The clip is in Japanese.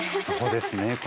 そこですね。